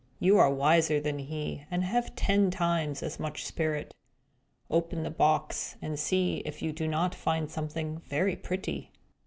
You are wiser than he, and have ten times as much spirit. Open the box, and see if you do not find something very pretty!"